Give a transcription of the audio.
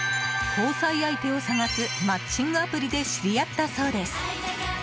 交際相手を探すマッチングアプリで知り合ったそうです。